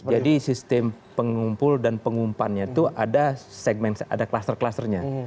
jadi sistem pengumpul dan pengumpannya itu ada kluster klusternya